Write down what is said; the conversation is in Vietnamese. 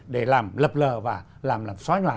để làm lập lờ và làm xóa nhòa